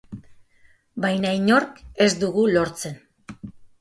Baina inork ez dugu lortzen.